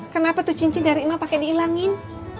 kenapa tuh cincin dari emak pake diilangin